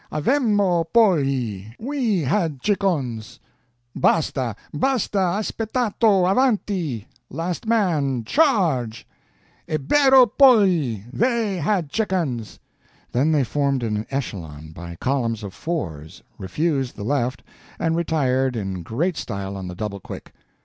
"Avemmo polli, we had chickens!" "Basta basta aspettatto avanti last man charge!" "Ebbero polli, they had chickens!" Then they formed in echelon, by columns of fours, refused the left, and retired in great style on the double quick.